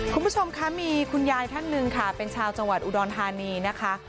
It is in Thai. คุณผู้ชมคะมีคุณยายท่านหนึ่งค่ะเป็นชาวจังหวัดอุดรธานีนะคะ